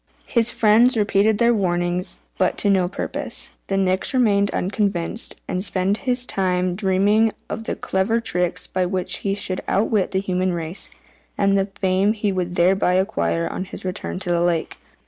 His friends repeated their warnings, but to no purpose. The Nix remained unconvinced, and spent his time in dreaming of the clever tricks by which he should outwit the human race, and the fame he would thereby acquire on his return to the lake.